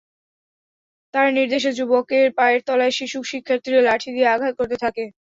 তাঁর নির্দেশে যুবকের পায়ের তলায় শিশুশিক্ষার্থীরা লাঠি দিয়ে আঘাত করতে থাকে।